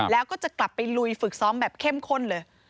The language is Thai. แล้วก็จะกลับไปลุยฝึกซ้อมแบบเข้มข้นเลย